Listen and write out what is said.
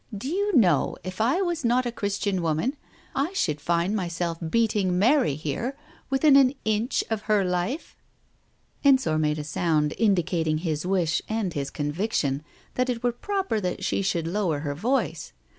"Do you know if I was not a Christian woman I should find myself beating Mary here within an inch of her life ?" Ensor made a sound indicating his wish and his con viction that it were proper that she should lower her voice.